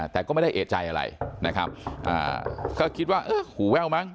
แต่ก็ไม่ได้เอกใจอะไรนะครับอ่าก็คิดว่าเออหูแว่วมั้ง